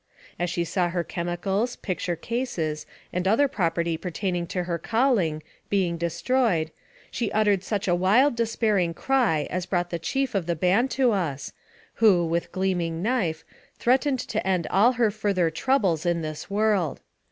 As she saw her chemicals, picture cases, and other property pertaining to her calling, being destroyed, she uttered such a wild despairing cry as brought the chief of the band to us, who, with gleaming knife, threatened to end all her further troubles in this world.